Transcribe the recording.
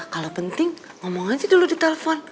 kalau penting ngomong aja dulu di telepon